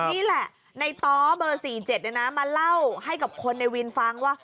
นี่แหละในต้อเบอร์๔๗มาเล่าให้กับคนในวินฟังว่า